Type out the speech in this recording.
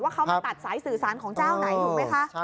เขามาตัดสายสื่อสารของเจ้าไหนถูกไหมคะ